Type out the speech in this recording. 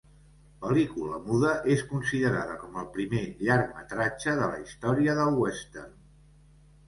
Pel·lícula muda, és considerada com el primer llargmetratge de la història del western.